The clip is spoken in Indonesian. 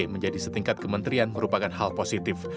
menjadi setingkat kementerian merupakan hal positif